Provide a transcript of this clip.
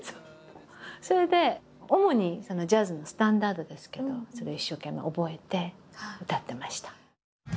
それで主にジャズのスタンダードですけどそれを一生懸命覚えて歌ってました。